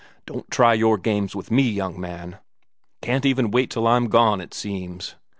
Don't try your games with me, young man! Can't even wait till I'm gone, it seems.